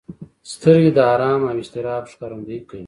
سترګې د ارام او اضطراب ښکارندويي کوي